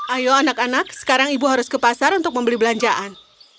ayo anak anak sekarang ibu harus ke pasar untuk membeli belanjaan